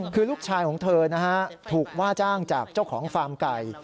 คือลูกชายของเธอนะฮะถูกว่าจ้างจากเจ้าของฟาร์มไก่